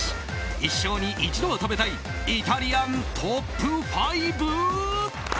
一生に一度は食べたいイタリアントップ５！